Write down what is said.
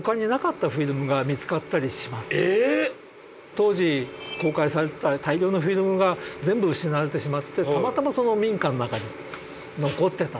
当時公開されてた大量のフィルムが全部失われてしまってたまたまその民家の中に残ってた。